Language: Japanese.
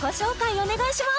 お願いします！